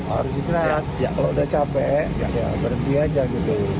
harus istirahat kalau sudah capek berhenti aja gitu